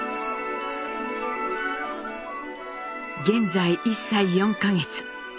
現在１歳４か月。